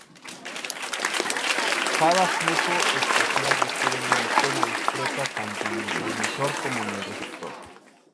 Cada flujo espacial requiere una antena discreta tanto en el transmisor como el receptor.